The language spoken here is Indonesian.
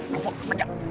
loh kok kasihan